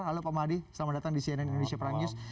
halo pak madi selamat datang di cnn indonesia prime news